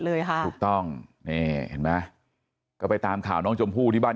ค่ะถูกต้องนี่เห็นไหมก็ไปตามข่าวน้องชมพู่ที่บ้าน